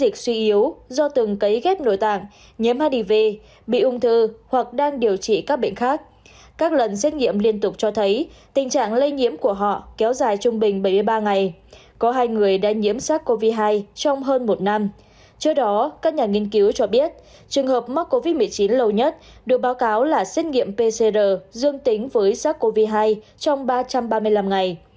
trong đó các nhà nghiên cứu cho biết trường hợp mắc covid một mươi chín lâu nhất được báo cáo là xét nghiệm pcr dương tính với sắc covid hai trong ba trăm ba mươi năm ngày